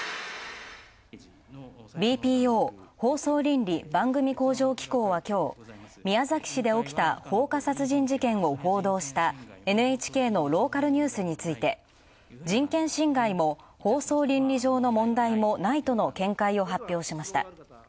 ＢＰＯ＝放送倫理・番組向上機構はきょう宮崎市で起きた放火殺人事件を報道したＮＨＫのローカルニュースについて、人権侵害も放送倫理上の問題もないとの見解を発表しました。